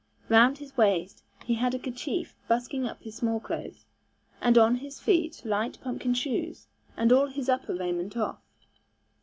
Round his waist he had a kerchief busking up his small clothes, and on his feet light pumpkin shoes, and all his upper raiment off.